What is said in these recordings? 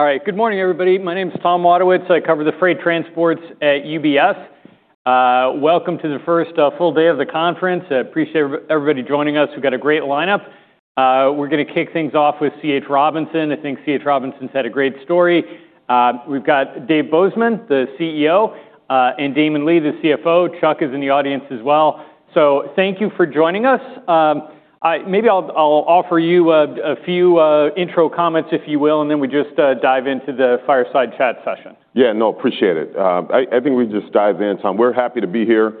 All right. Good morning, everybody. My name's Tom Wadewitz. I cover the freight transports at UBS. Welcome to the first, full day of the conference. I appreciate everybody joining us. We've got a great lineup. We're gonna kick things off with C.H. Robinson. I think C.H. Robinson's had a great story. We've got Dave Bozeman, the CEO, and Damon Lee, the CFO. Chuck is in the audience as well. Thank you for joining us. Maybe I'll offer you a few intro comments if you will, and then we just dive into the fireside chat session. Yeah. No, appreciate it. I think we just dive in, Tom. We're happy to be here.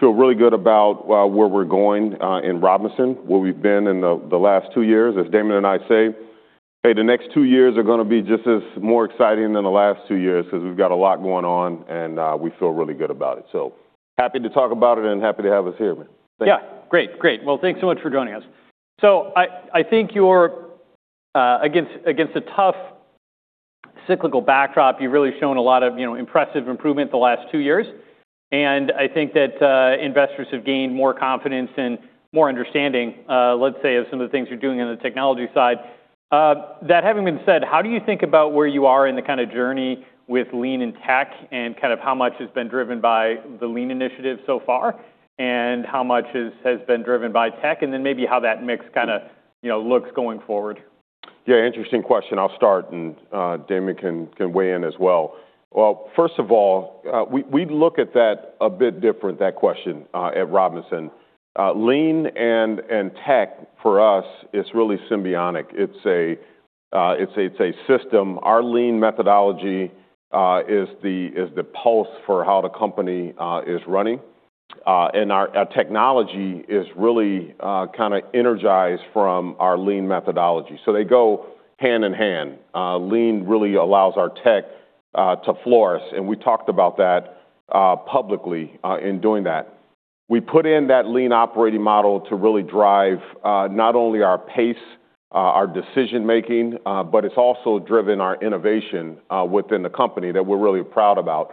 Feel really good about where we're going in Robinson, where we've been in the last two years. As Damon and I say, hey, the next two years are gonna be just as more exciting than the last two years 'cause we've got a lot going on and we feel really good about it. Happy to talk about it and happy to have us here, man. Thank you. Great. Great. Thanks so much for joining us. I think you're, against a tough cyclical backdrop, you've really shown a lot of, you know, impressive improvement the last two years. I think that investors have gained more confidence and more understanding, let's say, of some of the things you're doing on the technology side. That having been said, how do you think about where you are in the kind of journey with Lean and tech and kind of how much has been driven by the Lean initiative so far and how much has been driven by tech and then maybe how that mix kinda, you know, looks going forward? Yeah. Interesting question. I'll start and Damon can weigh in as well. First of all, we look at that a bit different, that question, at Robinson. Lean and tech for us is really symbiotic. It's a system. Our Lean Methodology is the pulse for how the company is running, and our technology is really kind of energized from our Lean Methodology. They go hand in hand. Lean really allows our tech to flourish. We talked about that publicly, in doing that. We put in that Lean operating model to really drive not only our pace, our decision-making, but it's also driven our innovation within the company that we're really proud about.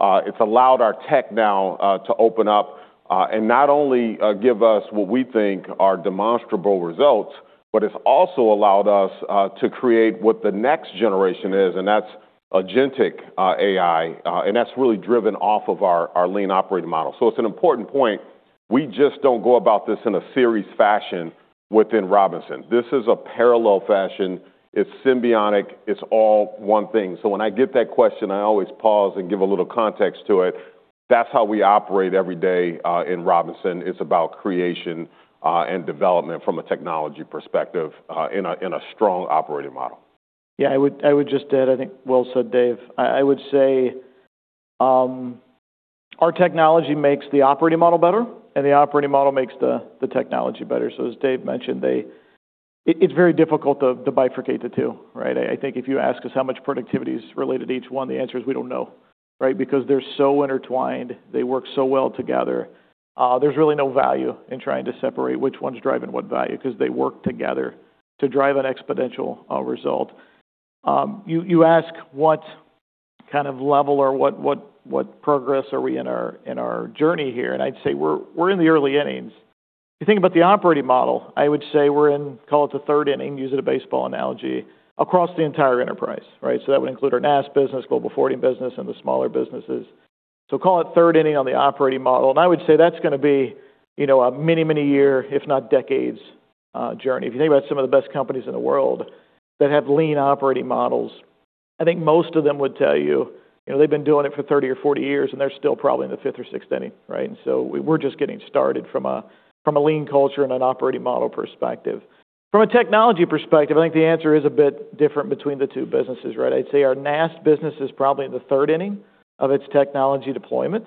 It's allowed our tech now to open up, and not only give us what we think are demonstrable results, but it's also allowed us to create what the next generation is, and that's agentic AI. That's really driven off of our Lean operating model. It's an important point. We just don't go about this in a series fashion within Robinson. This is a parallel fashion. It's symbiotic. It's all one thing. When I get that question, I always pause and give a little context to it. That's how we operate every day in Robinson. It's about creation and development from a technology perspective, in a strong operating model. Yeah. I would just add, I think, well said, Dave. I would say our technology makes the operating model better and the operating model makes the technology better. As Dave mentioned, it's very difficult to bifurcate the two, right? I think if you ask us how much productivity is related to each one, the answer is we don't know, right? Because they're so intertwined. They work so well together. There's really no value in trying to separate which one's driving what value 'cause they work together to drive an exponential result. You ask what kind of level or what progress are we in our journey here, and I'd say we're in the early innings. If you think about the operating model, I would say we're in, call it the third inning, use it a baseball analogy, across the entire enterprise, right? That would include our NAST business, Global Forwarding business, and the smaller businesses. Call it third inning on the operating model. I would say that's gonna be, you know, a many, many year, if not decades, journey. If you think about some of the best companies in the world that have Lean operating models, I think most of them would tell you, you know, they've been doing it for 30 or 40 years and they're still probably in the fifth or sixth inning, right? We, we're just getting started from a, from a Lean culture and an operating model perspective. From a technology perspective, I think the answer is a bit different between the two businesses, right? I'd say our NAST business is probably in the third inning of its technology deployment.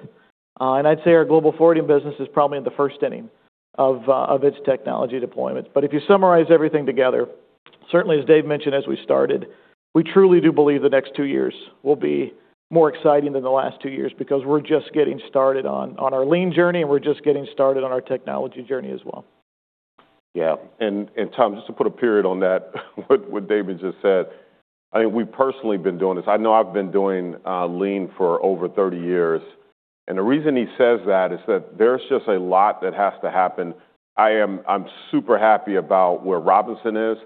I'd say our Global Forwarding business is probably in the first inning of its technology deployment. If you summarize everything together, certainly as Dave mentioned, as we started, we truly do believe the next two years will be more exciting than the last two years because we're just getting started on our Lean journey and we're just getting started on our technology journey as well. Yeah. Tom, just to put a period on that, what Damon just said, I think we've personally been doing this. I know I've been doing Lean for over 30 years. The reason he says that is that there's just a lot that has to happen. I am, I'm super happy about where Robinson is,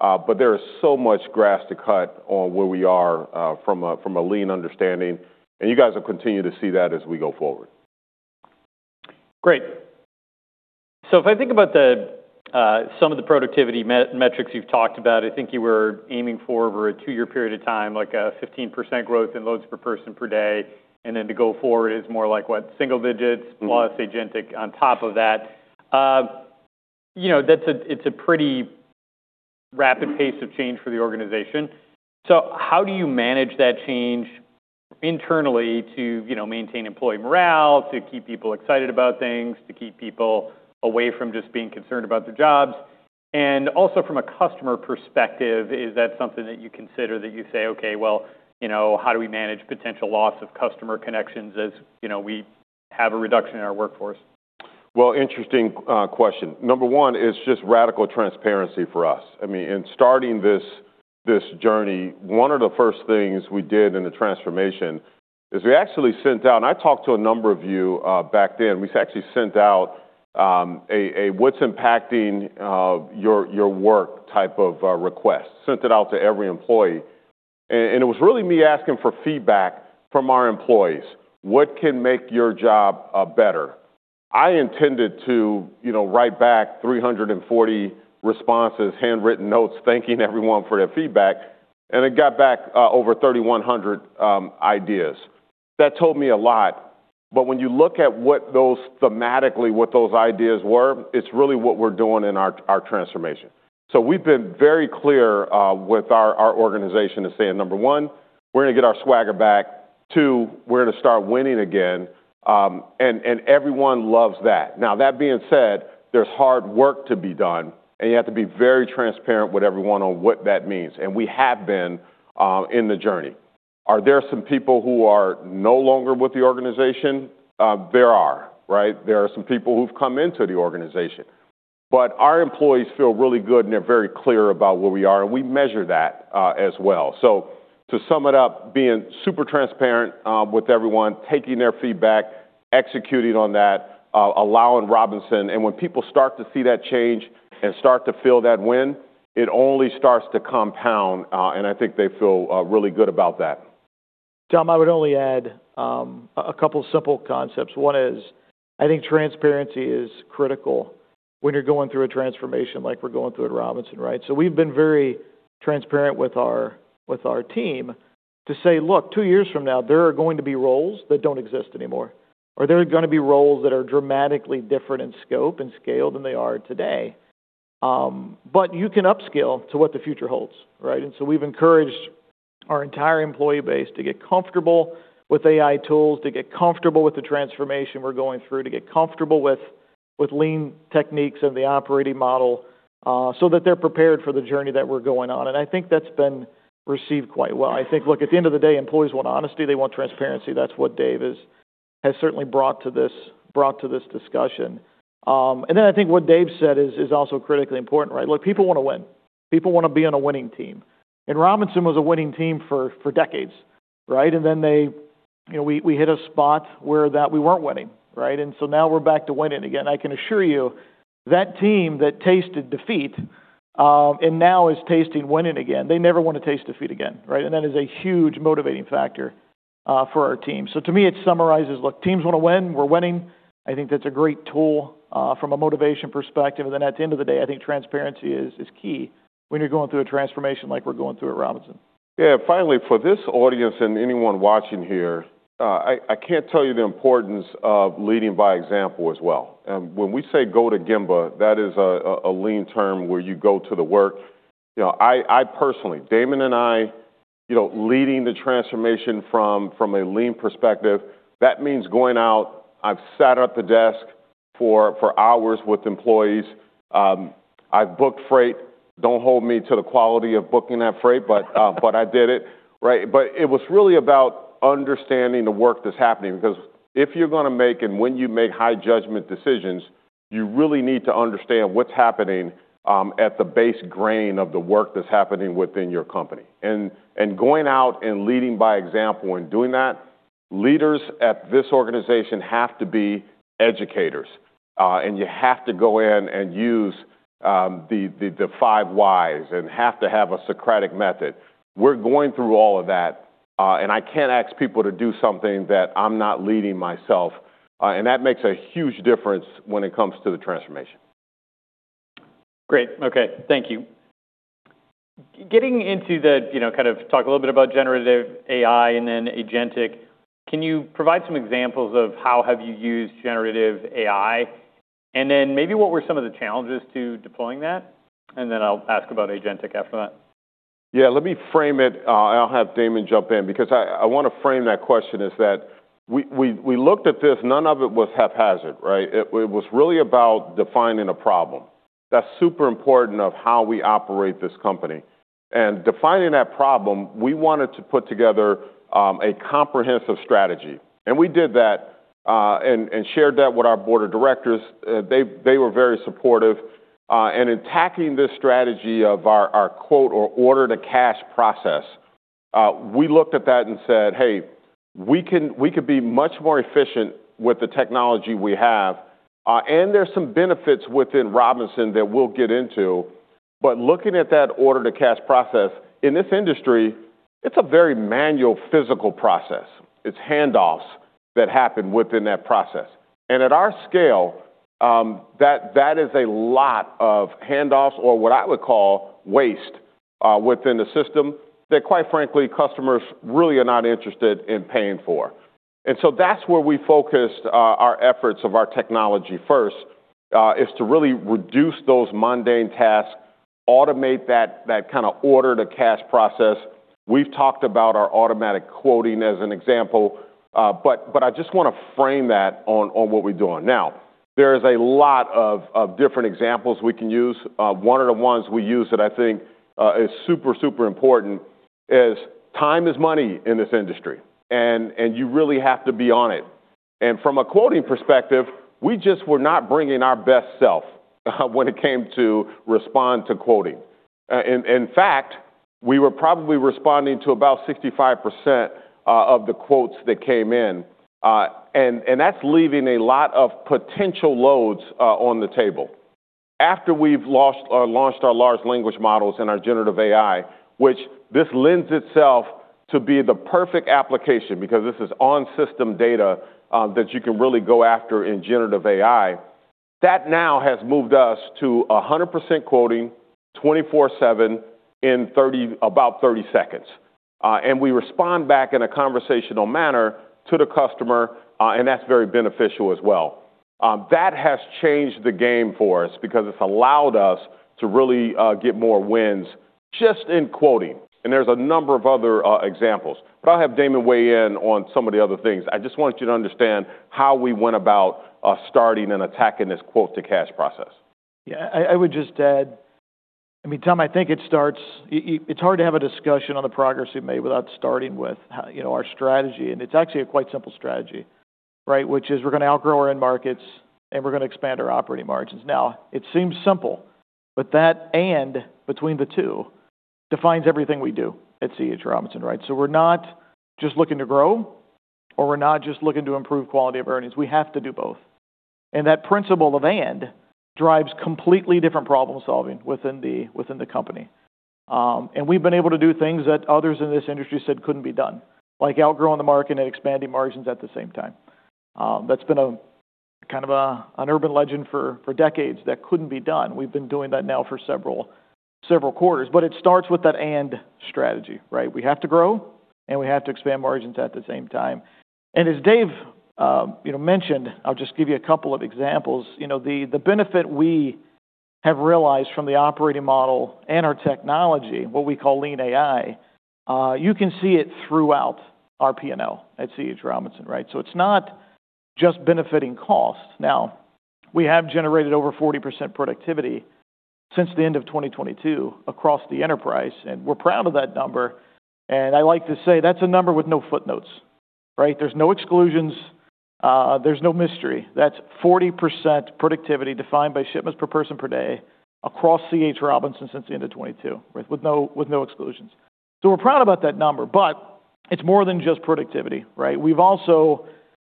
but there is so much grass to cut on where we are, from a Lean understanding. You guys will continue to see that as we go forward. Great. If I think about the, some of the productivity metrics you've talked about, I think you were aiming for over a two-year period of time, like a 15% growth in loads per person per day. Then to go forward is more like what? Single digits plus agentic on top of that. You know, that's a, it's a pretty rapid pace of change for the organization. How do you manage that change internally to, you know, maintain employee morale, to keep people excited about things, to keep people away from just being concerned about their jobs? Also from a customer perspective, is that something that you consider that you say, okay, you know, how do we manage potential loss of customer connections as, you know, we have a reduction in our workforce? Interesting question. Number one, it's just radical transparency for us. I mean, in starting this journey, one of the first things we did in the transformation is we actually sent out, and I talked to a number of you back then. We actually sent out a what's impacting your work type of request. Sent it out to every employee. It was really me asking for feedback from our employees. What can make your job better? I intended to, you know, write back 340 responses, handwritten notes, thanking everyone for their feedback. I got back over 3,100 ideas. That told me a lot. When you look at what those thematically, what those ideas were, it's really what we're doing in our transformation. We have been very clear with our organization to say, number one, we're gonna get our swagger back. Two, we're gonna start winning again, and everyone loves that. Now, that being said, there's hard work to be done and you have to be very transparent with everyone on what that means. We have been, in the journey. Are there some people who are no longer with the organization? There are, right? There are some people who've come into the organization. Our employees feel really good and they're very clear about where we are. We measure that, as well. To sum it up, being super transparent with everyone, taking their feedback, executing on that, allowing Robinson. When people start to see that change and start to feel that win, it only starts to compound. I think they feel really good about that. Tom, I would only add a couple simple concepts. One is I think transparency is critical when you're going through a transformation like we're going through at Robinson, right? We've been very transparent with our team to say, look, two years from now, there are going to be roles that don't exist anymore or there are gonna be roles that are dramatically different in scope and scale than they are today. You can upscale to what the future holds, right? We've encouraged our entire employee base to get comfortable with AI tools, to get comfortable with the transformation we're going through, to get comfortable with Lean techniques and the operating model, so that they're prepared for the journey that we're going on. I think that's been received quite well. I think, look, at the end of the day, employees want honesty. They want transparency. That's what Dave has certainly brought to this, brought to this discussion. I think what Dave said is also critically important, right? Look, people wanna win. People wanna be on a winning team. And Robinson was a winning team for decades, right? And then they, you know, we hit a spot where we weren't winning, right? Now we're back to winning again. I can assure you that team that tasted defeat, and now is tasting winning again, they never wanna taste defeat again, right? That is a huge motivating factor for our team. To me, it summarizes, look, teams wanna win. We're winning. I think that's a great tool from a motivation perspective. At the end of the day, I think transparency is key when you're going through a transformation like we're going through at Robinson. Yeah. Finally, for this audience and anyone watching here, I can't tell you the importance of leading by example as well. When we say go to Gemba, that is a Lean term where you go to the work. You know, I personally, Damon and I, you know, leading the transformation from a Lean perspective, that means going out. I've sat at the desk for hours with employees. I've booked freight. Don't hold me to the quality of booking that freight, but I did it, right? It was really about understanding the work that's happening because if you're gonna make and when you make high judgment decisions, you really need to understand what's happening at the base grain of the work that's happening within your company. Going out and leading by example and doing that, leaders at this organization have to be educators. You have to go in and use the five whys and have to have a Socratic method. We are going through all of that. I cannot ask people to do something that I am not leading myself. That makes a huge difference when it comes to the transformation. Great. Okay. Thank you. Getting into the, you know, kind of talk a little bit about generative AI and then agentic, can you provide some examples of how have you used generative AI? And then maybe what were some of the challenges to deploying that? Then I'll ask about agentic after that. Yeah. Let me frame it. I'll have Damon jump in because I want to frame that question is that we looked at this. None of it was haphazard, right? It was really about defining a problem. That's super important of how we operate this company. And defining that problem, we wanted to put together a comprehensive strategy. We did that, and shared that with our Board of Directors. They were very supportive. In tacking this strategy of our quote or order to cash process, we looked at that and said, hey, we could be much more efficient with the technology we have. There are some benefits within Robinson that we'll get into. Looking at that order to cash process in this industry, it's a very manual physical process. It's handoffs that happen within that process. At our scale, that is a lot of handoffs or what I would call waste within the system that, quite frankly, customers really are not interested in paying for. That is where we focused our efforts of our technology first, to really reduce those mundane tasks, automate that kind of order-to-cash process. We've talked about our automatic quoting as an example. I just want to frame that on what we're doing. There are a lot of different examples we can use. One of the ones we use that I think is super, super important is time is money in this industry. You really have to be on it. From a quoting perspective, we just were not bringing our best self when it came to respond to quoting. In fact, we were probably responding to about 65% of the quotes that came in, and that's leaving a lot of potential loads on the table. After we've launched our large language models and our generative AI, which this lends itself to be the perfect application because this is on-system data that you can really go after in generative AI, that now has moved us to 100% quoting 24/7 in about 30 seconds. We respond back in a conversational manner to the customer, and that's very beneficial as well. That has changed the game for us because it's allowed us to really get more wins just in quoting. There's a number of other examples. I'll have Damon weigh in on some of the other things. I just want you to understand how we went about starting and attacking this quote-to-cash process. Yeah. I would just add, I mean, Tom, I think it starts, it's hard to have a discussion on the progress we've made without starting with how, you know, our strategy. And it's actually a quite simple strategy, right? Which is we're gonna outgrow our end markets and we're gonna expand our operating margins. Now, it seems simple, but that and between the two defines everything we do at C.H. Robinson, right? So we're not just looking to grow or we're not just looking to improve quality of earnings. We have to do both. That principle of and drives completely different problem-solving within the company. We've been able to do things that others in this industry said couldn't be done, like outgrowing the market and expanding margins at the same time. That's been a kind of an urban legend for decades that couldn't be done. We've been doing that now for several quarters. It starts with that and strategy, right? We have to grow and we have to expand margins at the same time. As Dave, you know, mentioned, I'll just give you a couple of examples. You know, the benefit we have realized from the operating model and our technology, what we call Lean AI, you can see it throughout our P&L at C.H. Robinson, right? It's not just benefiting cost. We have generated over 40% productivity since the end of 2022 across the enterprise. We're proud of that number. I like to say that's a number with no footnotes, right? There's no exclusions, there's no mystery. That's 40% productivity defined by shipments per person per day across C.H. Robinson since the end of 2022, right? With no, with no exclusions. So we're proud about that number, but it's more than just productivity, right? We've also,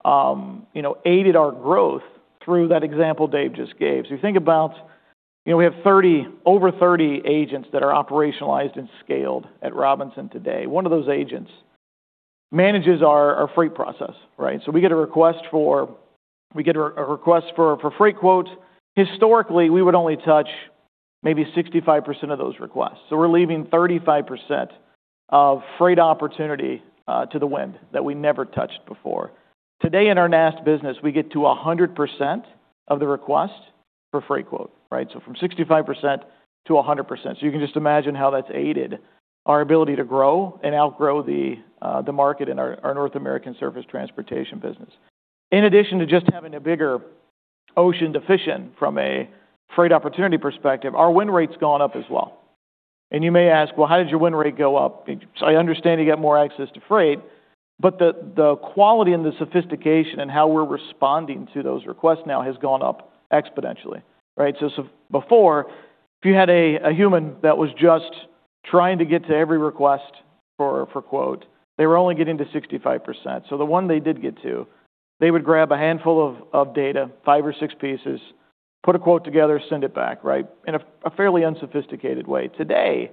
you know, aided our growth through that example Dave just gave. You think about, you know, we have 30, over 30 agents that are operationalized and scaled at Robinson today. One of those agents manages our, our freight process, right? We get a request for, we get a request for, for freight quotes. Historically, we would only touch maybe 65% of those requests. We're leaving 35% of freight opportunity to the wind that we never touched before. Today in our NAST business, we get to 100% of the request for freight quote, right? From 65% to 100%. You can just imagine how that's aided our ability to grow and outgrow the market in our North American Surface Transportation business. In addition to just having a bigger ocean to fish in from a freight opportunity perspective, our win rate's gone up as well. You may ask, how did your win rate go up? I understand you get more access to freight, but the quality and the sophistication and how we're responding to those requests now has gone up exponentially, right? Before, if you had a human that was just trying to get to every request for quote, they were only getting to 65%. The one they did get to, they would grab a handful of data, five or six pieces, put a quote together, send it back, right? In a fairly unsophisticated way. Today,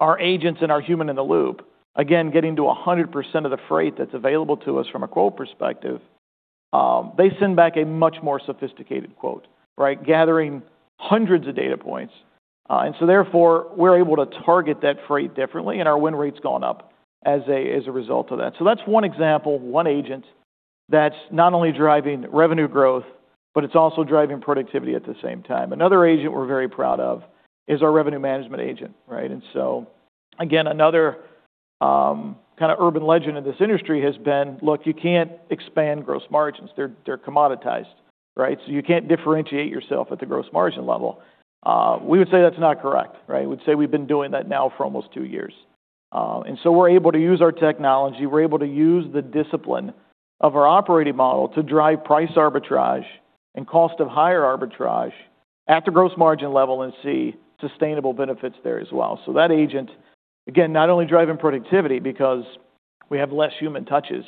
our agents and our human in the loop, again, getting to 100% of the freight that's available to us from a quote perspective, they send back a much more sophisticated quote, right? Gathering hundreds of data points, and so therefore we're able to target that freight differently and our win rate's gone up as a result of that. That's one example, one agent that's not only driving revenue growth, but it's also driving productivity at the same time. Another agent we're very proud of is our revenue management agent, right? Another, kinda urban legend in this industry has been, look, you can't expand gross margins. They're commoditized, right? You can't differentiate yourself at the gross margin level. We would say that's not correct, right? We'd say we've been doing that now for almost two years. And so we're able to use our technology. We're able to use the discipline of our operating model to drive price arbitrage and cost of hire arbitrage at the gross margin level and see sustainable benefits there as well. That agent, again, not only driving productivity because we have less human touches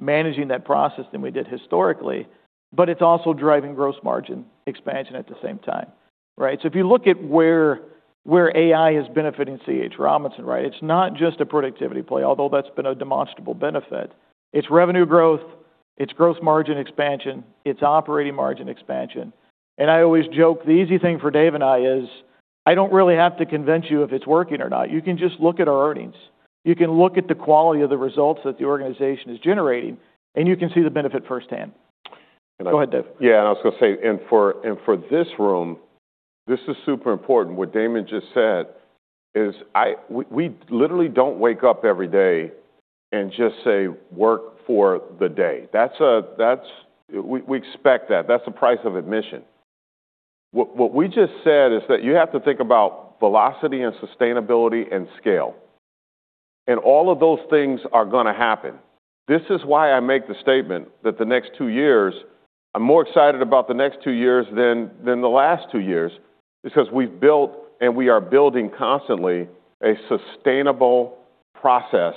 managing that process than we did historically, but it's also driving gross margin expansion at the same time, right? If you look at where, where AI is benefiting C.H. Robinson, right? It's not just a productivity play, although that's been a demonstrable benefit. It's revenue growth, it's gross margin expansion, it's operating margin expansion. I always joke the easy thing for Dave and I is I don't really have to convince you if it's working or not. You can just look at our earnings. You can look at the quality of the results that the organization is generating, and you can see the benefit firsthand. Go ahead, Dave. Yeah. I was gonna say, for this room, this is super important. What Damon just said is, we literally do not wake up every day and just say, work for the day. That is, we expect that. That is the price of admission. What we just said is that you have to think about velocity and sustainability and scale. All of those things are gonna happen. This is why I make the statement that the next two years, I am more excited about the next two years than the last two years, 'cause we have built and we are building constantly a sustainable process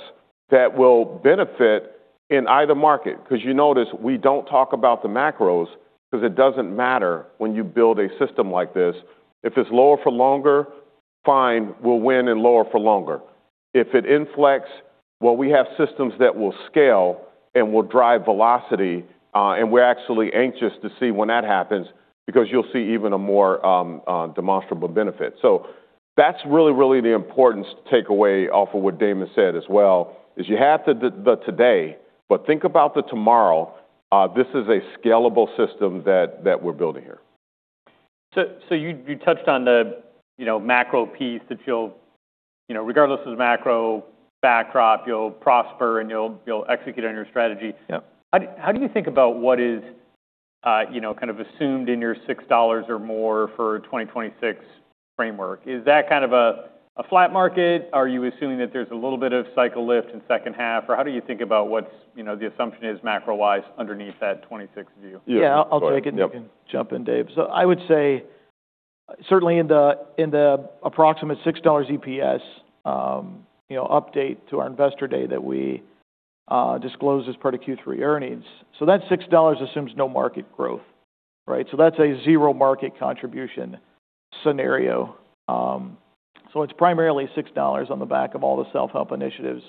that will benefit in either market. 'Cause you notice we do not talk about the macros, 'cause it does not matter when you build a system like this. If it is lower for longer, fine, we will win in lower for longer. If it inflects, we have systems that will scale and will drive velocity. We are actually anxious to see when that happens because you will see even a more demonstrable benefit. That is really, really the important takeaway off of what Damon said as well is you have the today, but think about the tomorrow. This is a scalable system that we are building here. You touched on the, you know, macro piece that you'll, you know, regardless of macro backdrop, you'll prosper and you'll execute on your strategy. Yeah. How do you think about what is, you know, kind of assumed in your $6 or more for 2026 framework? Is that kind of a flat market? Are you assuming that there's a little bit of cycle lift in second half? Or how do you think about what's, you know, the assumption is macro-wise underneath that 2026 view? Yeah. I'll take it. You can jump in, Dave. I would say certainly in the, in the approximate $6 EPS, you know, update to our Investor Day that we disclose as part of Q3 earnings. That $6 assumes no market growth, right? That's a zero market contribution scenario. It's primarily $6 on the back of all the self-help initiatives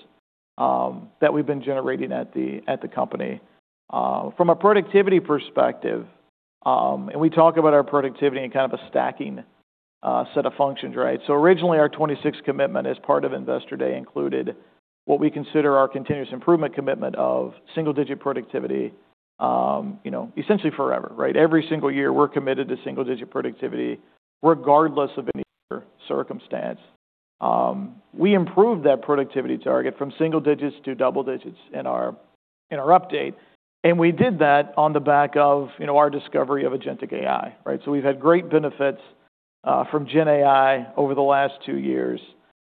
that we've been generating at the company. From a productivity perspective, and we talk about our productivity in kind of a stacking set of functions, right? Originally, our 2026 commitment as part of Investor Day included what we consider our continuous improvement commitment of single-digit productivity, you know, essentially forever, right? Every single year, we're committed to single-digit productivity regardless of any circumstance. We improved that productivity target from single digits to double digits in our update. We did that on the back of, you know, our discovery of agentic AI, right? So we've had great benefits, from GenAI over the last two years.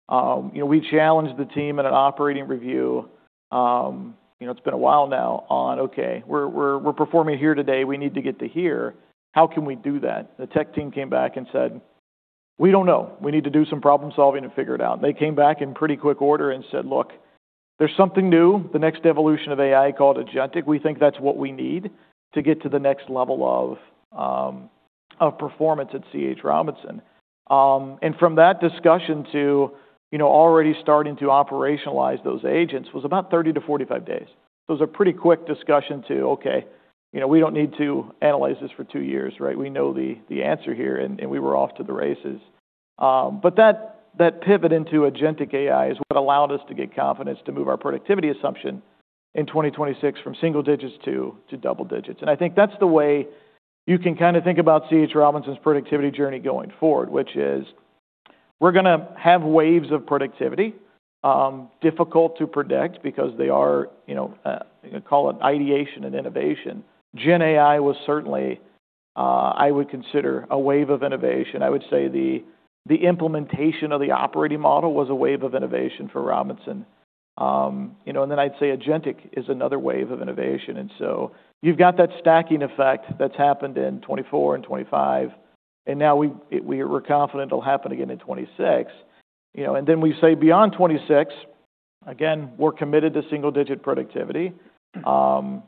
You know, we challenged the team in an operating review. You know, it's been a while now on, okay, we're, we're, we're performing here today. We need to get to here. How can we do that? The tech team came back and said, we don't know. We need to do some problem-solving and figure it out. They came back in pretty quick order and said, look, there's something new, the next evolution of AI called agentic. We think that's what we need to get to the next level of, of performance at C.H. Robinson. And from that discussion to, you know, already starting to operationalize those agents was about 30-45 days. It was a pretty quick discussion to, okay, you know, we don't need to analyze this for two years, right? We know the answer here and we were off to the races. That pivot into agentic AI is what allowed us to get confidence to move our productivity assumption in 2026 from single digits to double digits. I think that's the way you can kind of think about C.H. Robinson's productivity journey going forward, which is we're gonna have waves of productivity, difficult to predict because they are, you know, you can call it ideation and innovation. GenAI was certainly, I would consider a wave of innovation. I would say the implementation of the operating model was a wave of innovation for Robinson. You know, and then I'd say agentic is another wave of innovation. You have that stacking effect that has happened in 2024 and 2025. We are confident it will happen again in 2026, you know? We say beyond 2026, again, we are committed to single-digit productivity.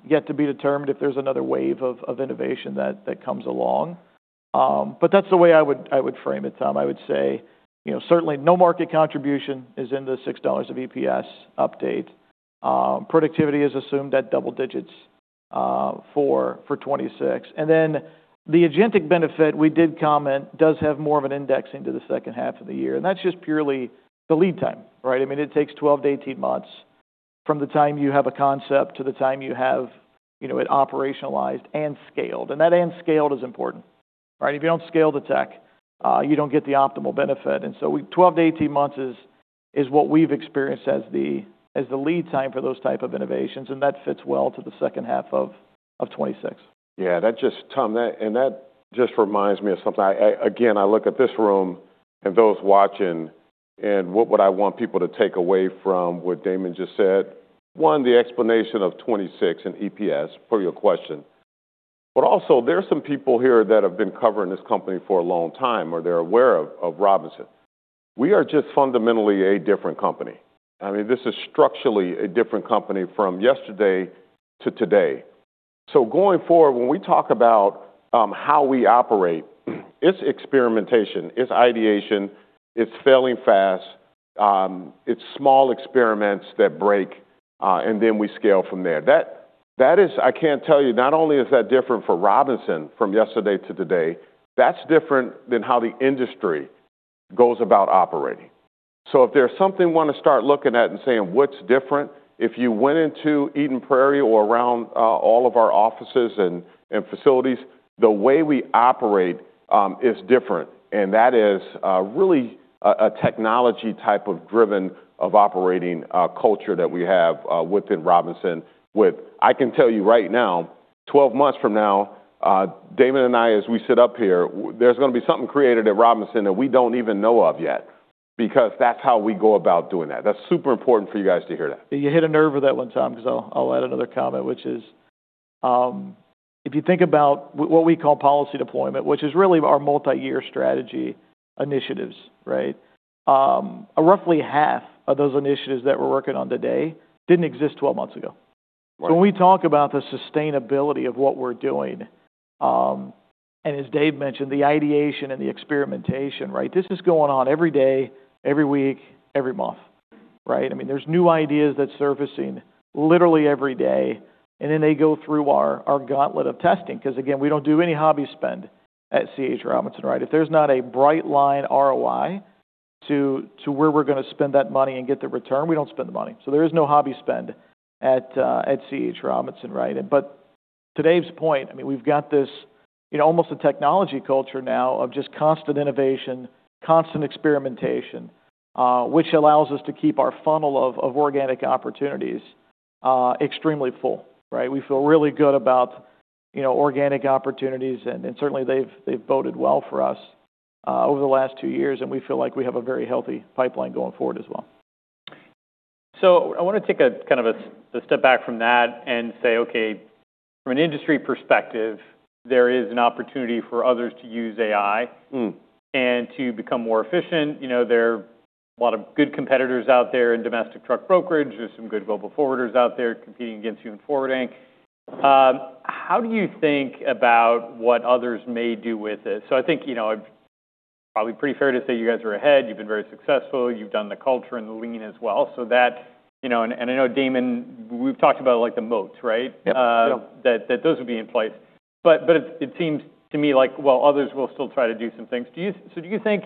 Yet to be determined if there is another wave of innovation that comes along. That is the way I would frame it, Tom. I would say, you know, certainly no market contribution is in the $6 of EPS update. Productivity is assumed at double digits for 2026. The agentic benefit we did comment does have more of an indexing to the second half of the year. That is just purely the lead time, right? I mean, it takes 12-18 months from the time you have a concept to the time you have it operationalized and scaled. That and scaled is important, right? If you don't scale the tech, you don't get the optimal benefit. We, 12-18 months is what we've experienced as the lead time for those type of innovations. That fits well to the second half of 2026. Yeah. Tom, that just reminds me of something. I, again, I look at this room and those watching and what would I want people to take away from what Damon just said? One, the explanation of 2026 and EPS for your question. Also, there are some people here that have been covering this company for a long time or they're aware of Robinson. We are just fundamentally a different company. I mean, this is structurally a different company from yesterday to today. Going forward, when we talk about how we operate, it's experimentation, it's ideation, it's failing fast, it's small experiments that break, and then we scale from there. That is, I can't tell you, not only is that different for Robinson from yesterday to today, that's different than how the industry goes about operating. If there's something you wanna start looking at and saying, what's different? If you went into Eden Prairie or around all of our offices and facilities, the way we operate is different. That is really a technology type of driven operating culture that we have within Robinson. I can tell you right now, 12 months from now, Damon and I, as we sit up here, there's gonna be something created at Robinson that we don't even know of yet because that's how we go about doing that. That's super important for you guys to hear that. You hit a nerve with that one, Tom, 'cause I'll add another comment, which is, if you think about what we call policy deployment, which is really our multi-year strategy initiatives, right? Roughly half of those initiatives that we're working on today didn't exist 12 months ago. When we talk about the sustainability of what we're doing, and as Dave mentioned, the ideation and the experimentation, right? This is going on every day, every week, every month, right? I mean, there's new ideas that's surfacing literally every day. They go through our gauntlet of testing. 'Cause again, we don't do any hobby spend at C.H. Robinson, right? If there's not a bright line ROI to where we're gonna spend that money and get the return, we don't spend the money. There is no hobby spend at C.H. Robinson, right? To Dave's point, I mean, we've got this, you know, almost a technology culture now of just constant innovation, constant experimentation, which allows us to keep our funnel of organic opportunities extremely full, right? We feel really good about, you know, organic opportunities. And certainly they've voted well for us over the last two years. We feel like we have a very healthy pipeline going forward as well. I want to take a kind of a step back from that and say, okay, from an industry perspective, there is an opportunity for others to use AI and to become more efficient. You know, there are a lot of good competitors out there in domestic truck brokerage. There are some good global forwarders out there competing against you in forwarding. How do you think about what others may do with it? I think, you know, I've probably pretty fair to say you guys are ahead. You've been very successful. You've done the culture and the Lean as well. That, you know, and, and I know Damon, we've talked about like the moat, right? Yeah. That, that those would be in place. But it seems to me like, well, others will still try to do some things. Do you, so do you think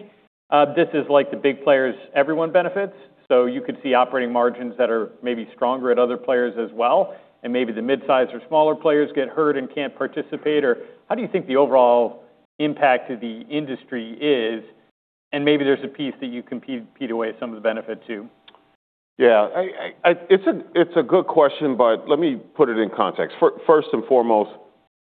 this is like the big players, everyone benefits? You could see operating margins that are maybe stronger at other players as well. Maybe the mid-size or smaller players get hurt and can't participate. How do you think the overall impact of the industry is? Maybe there's a piece that you can peel away some of the benefit too. Yeah. It's a good question, but let me put it in context. First and foremost,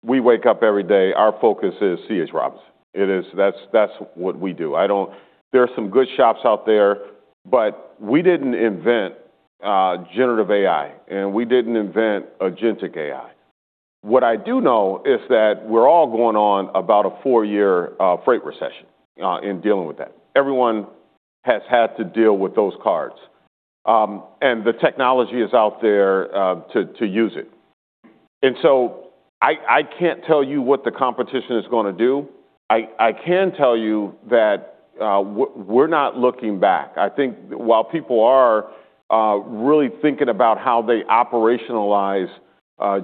we wake up every day. Our focus is C.H. Robinson. It is, that's what we do. I don't, there are some good shops out there, but we didn't invent generative AI and we didn't invent agentic AI. What I do know is that we're all going on about a four-year freight recession, in dealing with that. Everyone has had to deal with those cards. The technology is out there to use it. I can't tell you what the competition is gonna do. I can tell you that we're not looking back. I think while people are really thinking about how they operationalize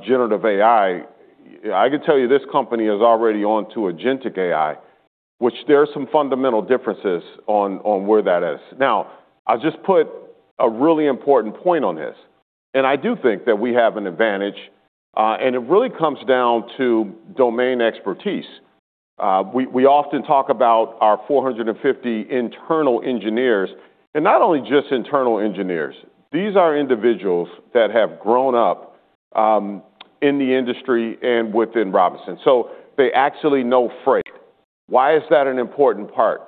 generative AI, I can tell you this company is already onto agentic AI, which there are some fundamental differences on where that is. Now, I'll just put a really important point on this. I do think that we have an advantage, and it really comes down to domain expertise. We often talk about our 450 internal engineers and not only just internal engineers. These are individuals that have grown up in the industry and within Robinson. They actually know freight. Why is that an important part?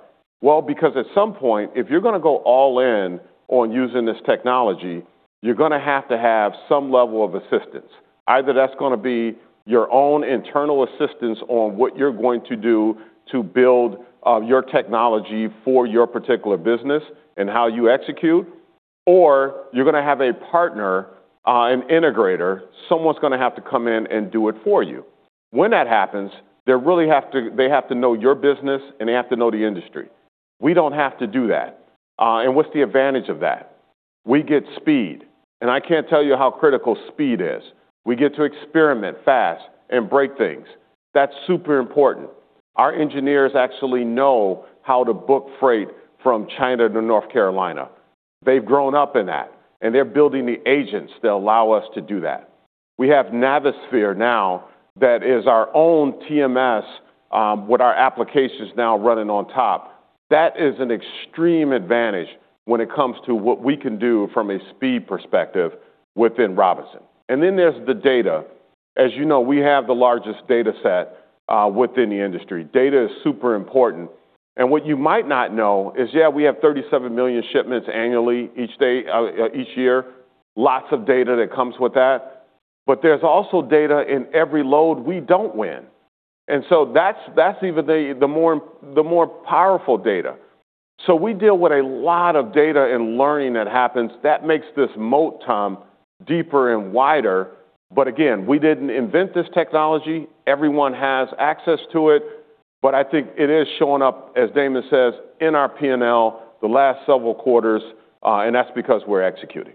Because at some point, if you're gonna go all in on using this technology, you're gonna have to have some level of assistance. Either that's gonna be your own internal assistance on what you're going to do to build your technology for your particular business and how you execute, or you're gonna have a partner, an integrator, someone's gonna have to come in and do it for you. When that happens, they really have to, they have to know your business and they have to know the industry. We don't have to do that. What's the advantage of that? We get speed. I can't tell you how critical speed is. We get to experiment fast and break things. That's super important. Our engineers actually know how to book freight from China to North Carolina. They've grown up in that and they're building the agents that allow us to do that. We have Navisphere now that is our own TMS, with our applications now running on top. That is an extreme advantage when it comes to what we can do from a speed perspective within Robinson. And then there's the data. As you know, we have the largest data set within the industry. Data is super important. And what you might not know is, yeah, we have 37 million shipments annually each year. Lots of data that comes with that. But there's also data in every load we don't win. That's even the more powerful data. We deal with a lot of data and learning that happens that makes this moat, Tom, deeper and wider. Again, we didn't invent this technology. Everyone has access to it. I think it is showing up, as Damon says, in our P&L the last several quarters. That's because we're executing.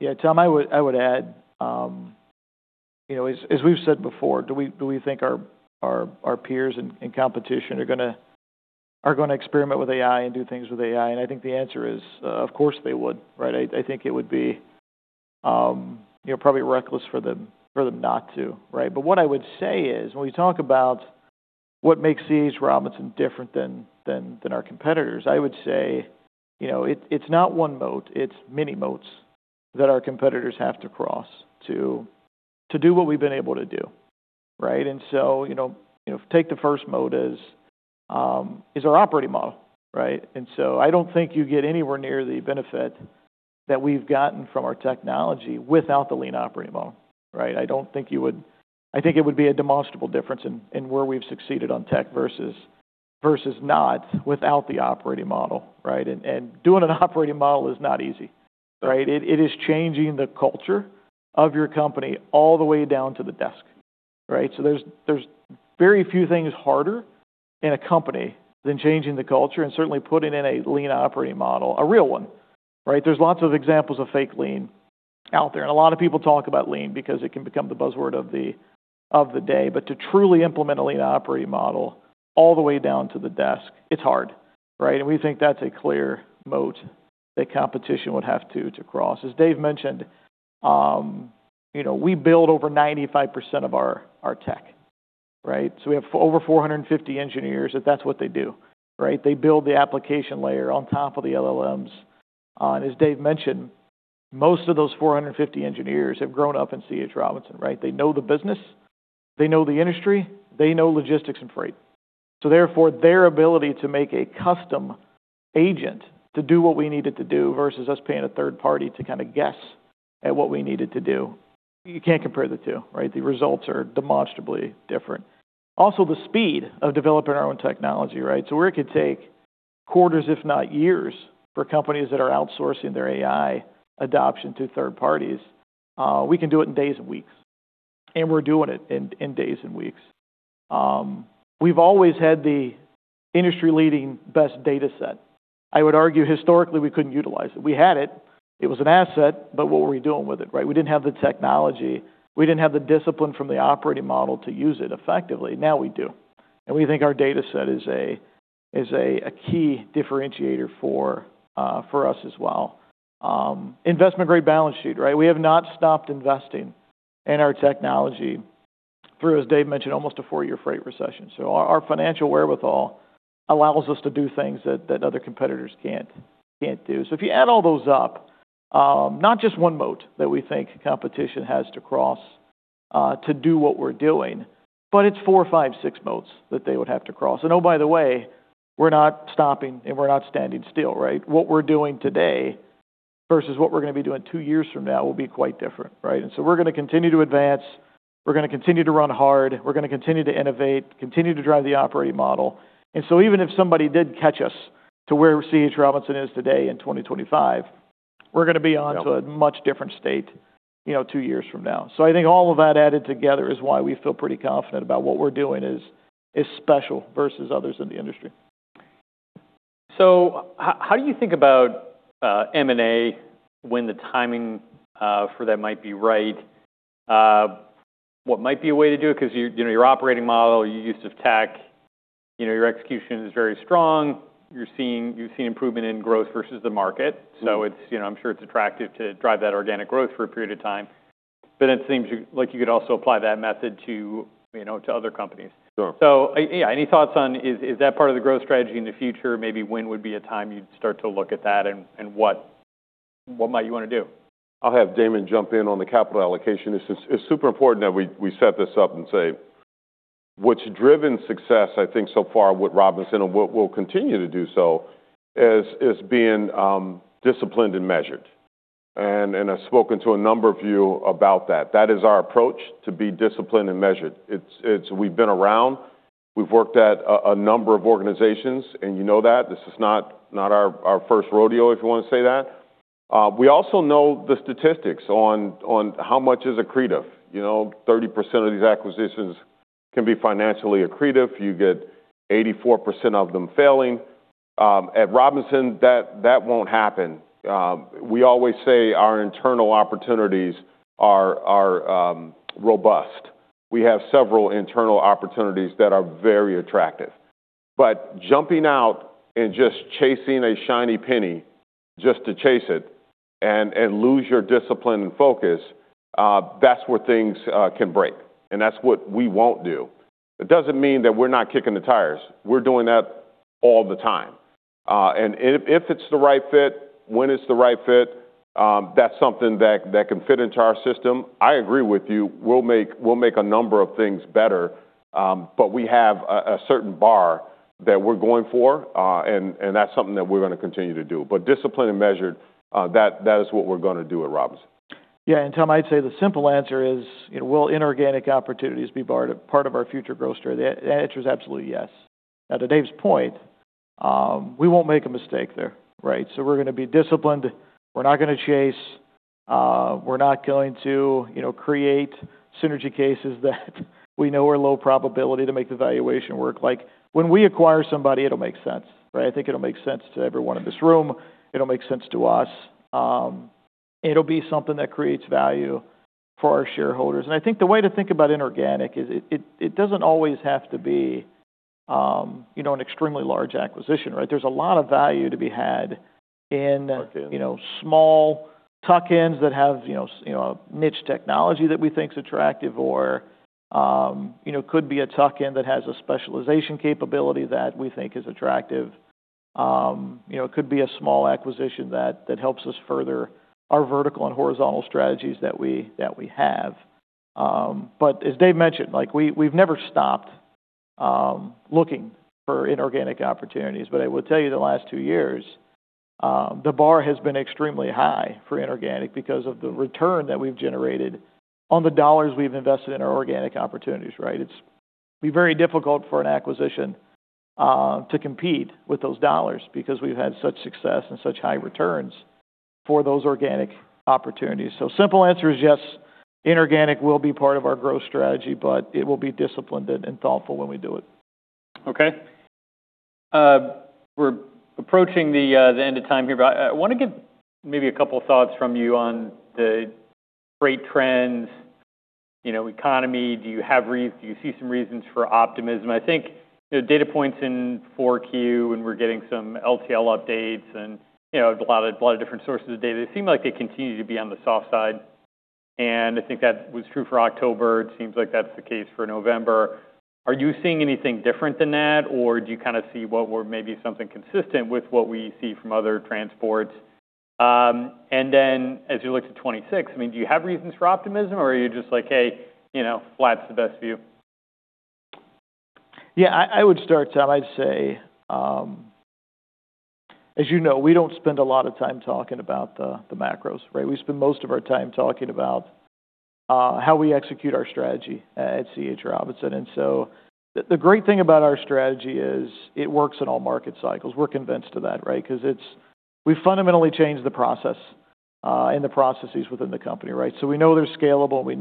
Yeah. Tom, I would add, you know, as we've said before, do we think our peers and competition are gonna experiment with AI and do things with AI? I think the answer is, of course they would, right? I think it would be, you know, probably reckless for them not to, right? What I would say is when we talk about what makes C.H. Robinson different than our competitors, I would say, you know, it's not one moat, it's many moats that our competitors have to cross to do what we've been able to do, right? You know, take the first moat as our operating model, right? I do not think you get anywhere near the benefit that we have gotten from our technology without the Lean operating model, right? I do not think you would, I think it would be a demonstrable difference in where we have succeeded on tech versus not without the operating model, right? Doing an operating model is not easy, right? It is changing the culture of your company all the way down to the desk, right? There are very few things harder in a company than changing the culture and certainly putting in a Lean operating model, a real one, right? There are lots of examples of fake Lean out there. A lot of people talk about Lean because it can become the buzzword of the day. To truly implement a Lean operating model all the way down to the desk, it is hard, right? We think that's a clear moat that competition would have to cross. As Dave mentioned, you know, we build over 95% of our tech, right? We have over 450 engineers that, that's what they do, right? They build the application layer on top of the LLMs. As Dave mentioned, most of those 450 engineers have grown up in C.H. Robinson, right? They know the business, they know the industry, they know logistics and freight. Therefore, their ability to make a custom agent to do what we needed to do versus us paying a third-party to kind of guess at what we needed to do, you can't compare the two, right? The results are demonstrably different. Also, the speed of developing our own technology, right? Where it could take quarters, if not years, for companies that are outsourcing their AI adoption to third-parties, we can do it in days and weeks. And we're doing it in days and weeks. We've always had the industry-leading best data set. I would argue historically we couldn't utilize it. We had it. It was an asset, but what were we doing with it, right? We didn't have the technology. We didn't have the discipline from the operating model to use it effectively. Now we do. We think our data set is a key differentiator for us as well. Investment-grade balance sheet, right? We have not stopped investing in our technology through, as Dave mentioned, almost a four-year freight recession. Our financial wherewithal allows us to do things that other competitors can't do. If you add all those up, not just one moat that we think competition has to cross to do what we're doing, but it's four, five, six moats that they would have to cross. Oh, by the way, we're not stopping and we're not standing still, right? What we're doing today versus what we're gonna be doing two years from now will be quite different, right? We're gonna continue to advance. We're gonna continue to run hard. We're gonna continue to innovate, continue to drive the operating model. Even if somebody did catch us to where C.H. Robinson is today in 2025, we're gonna be onto a much different state, you know, two years from now. I think all of that added together is why we feel pretty confident about what we're doing is special versus others in the industry. How do you think about M&A, when the timing for that might be right? What might be a way to do it? 'Cause you know, your operating model, your use of tech, your execution is very strong. You're seeing, you've seen improvement in growth versus the market. It's, you know, I'm sure it's attractive to drive that organic growth for a period of time. It seems like you could also apply that method to other companies. Sure. Yeah, any thoughts on is, is that part of the growth strategy in the future? Maybe when would be a time you'd start to look at that and what might you wanna do? I'll have Damon jump in on the capital allocation. It's super important that we set this up and say what's driven success, I think so far with Robinson and what we'll continue to do so is being disciplined and measured. I've spoken to a number of you about that. That is our approach to be disciplined and measured. We've been around, we've worked at a number of organizations and you know that this is not our first rodeo, if you wanna say that. We also know the statistics on how much is accretive. You know, 30% of these acquisitions can be financially accretive. You get 84% of them failing. At Robinson, that won't happen. We always say our internal opportunities are robust. We have several internal opportunities that are very attractive. Jumping out and just chasing a shiny penny just to chase it and lose your discipline and focus, that's where things can break. That's what we won't do. It doesn't mean that we're not kicking the tires. We're doing that all the time. If it's the right fit, when it's the right fit, that's something that can fit into our system. I agree with you. We'll make a number of things better, but we have a certain bar that we're going for, and that's something that we're gonna continue to do. Disciplined and measured, that is what we're gonna do at Robinson. Yeah. Tom, I'd say the simple answer is, you know, will inorganic opportunities be a part of our future growth story? The answer is absolutely yes. Now, to Dave's point, we won't make a mistake there, right? We're gonna be disciplined. We're not gonna chase. We're not going to, you know, create synergy cases that we know are low probability to make the valuation work. Like when we acquire somebody, it'll make sense, right? I think it'll make sense to everyone in this room. It'll make sense to us. It'll be something that creates value for our shareholders. I think the way to think about inorganic is it doesn't always have to be, you know, an extremely large acquisition, right? There's a lot of value to be had in, you know, small tuck-ins that have, you know, you know, a niche technology that we think's attractive or, you know, could be a tuck-in that has a specialization capability that we think is attractive. You know, it could be a small acquisition that helps us further our vertical and horizontal strategies that we have. As Dave mentioned, we have never stopped looking for inorganic opportunities. I will tell you the last two years, the bar has been extremely high for inorganic because of the return that we've generated on the dollars we've invested in our organic opportunities, right? It's been very difficult for an acquisition to compete with those dollars because we've had such success and such high returns for those organic opportunities. Simple answer is yes, inorganic will be part of our growth strategy, but it will be disciplined and thoughtful when we do it. Okay, we're approaching the end of time here, but I want to get maybe a couple thoughts from you on the freight trends, you know, economy. Do you have reason, do you see some reasons for optimism? I think, you know, data points in 4Q and we're getting some LTL updates and, you know, a lot of different sources of data. It seemed like they continue to be on the soft side. I think that was true for October. It seems like that's the case for November. Are you seeing anything different than that or do you kind of see what were maybe something consistent with what we see from other transports? And then as you look to 2026, I mean, do you have reasons for optimism or are you just like, hey, you know, flat's the best view? Yeah. I would start, Tom, I'd say, as you know, we don't spend a lot of time talking about the macros, right? We spend most of our time talking about how we execute our strategy at C.H. Robinson. The great thing about our strategy is it works in all market cycles. We're convinced of that, right? 'Cause we've fundamentally changed the process, and the processes within the company, right? We know they're scalable. We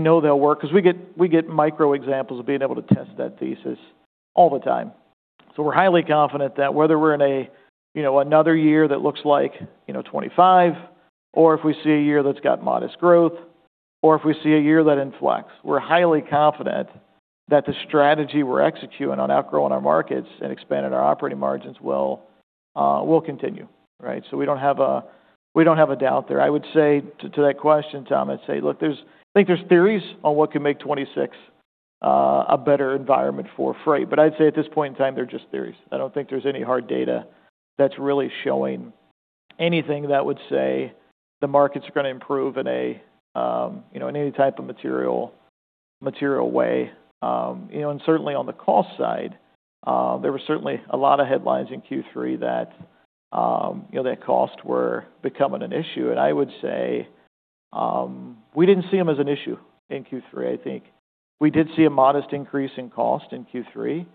know they'll work 'cause we get micro examples of being able to test that thesis all the time. We're highly confident that whether we're in a, you know, another year that looks like, you know, 2025, or if we see a year that's got modest growth, or if we see a year that inflects, we're highly confident that the strategy we're executing on outgrowing our markets and expanding our operating margins will continue, right? We don't have a, we don't have a doubt there. I would say to that question, Tom, I'd say, look, there's, I think there's theories on what can make 2026 a better environment for freight. I'd say at this point in time, they're just theories. I don't think there's any hard data that's really showing anything that would say the markets are gonna improve in a, you know, in any type of material, material way. You know, and certainly on the cost side, there were certainly a lot of headlines in Q3 that, you know, that cost were becoming an issue. I would say, we did not see 'em as an issue in Q3. I think we did see a modest increase in cost in Q3,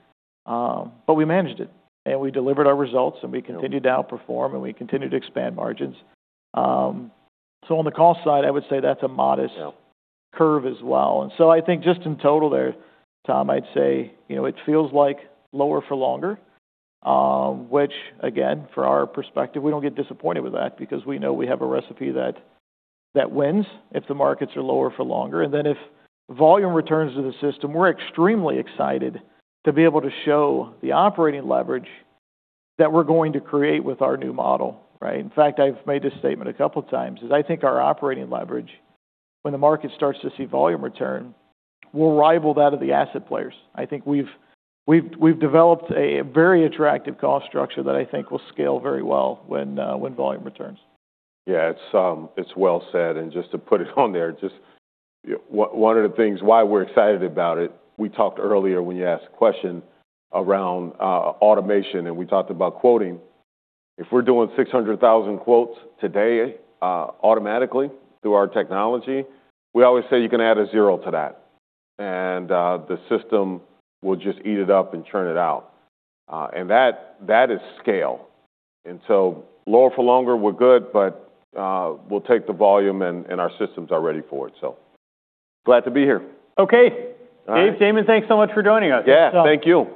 but we managed it and we delivered our results and we continued to outperform and we continued to expand margins. On the cost side, I would say that's a modest. Yeah. Curve as well. I think just in total there, Tom, I'd say, you know, it feels like lower for longer, which again, from our perspective, we do not get disappointed with that because we know we have a recipe that wins if the markets are lower for longer. If volume returns to the system, we are extremely excited to be able to show the operating leverage that we are going to create with our new model, right? In fact, I have made this statement a couple times: I think our operating leverage, when the market starts to see volume return, will rival that of the asset players. I think we have developed a very attractive cost structure that I think will scale very well when volume returns. Yeah. It is well said. Just to put it on there, just, you know, one of the things why we're excited about it, we talked earlier when you asked a question around automation and we talked about quoting. If we're doing 600,000 quotes today, automatically through our technology, we always say you can add a zero to that. The system will just eat it up and churn it out. That is scale. Lower for longer, we're good, but we'll take the volume and our systems are ready for it. Glad to be here. Okay. Dave, Damon, thanks so much for joining us. Yeah. Thank you.